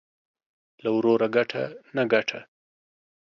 له وروره گټه ، نه گټه.